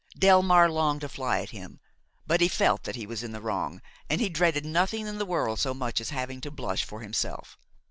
Delmare longed to fly at him; but he felt that he was in the wrong and he dreaded nothing in the world so much as having to blush for himself.